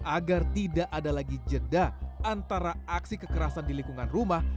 agar tidak ada lagi jeda antara aksi kekerasan di lingkungan rumah